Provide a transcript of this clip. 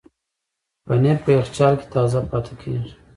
پنېر په یخچال کې تازه پاتې کېږي.